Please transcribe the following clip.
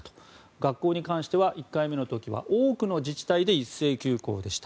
学校に関しては１回目の時は多くの自治体で一斉休校でした。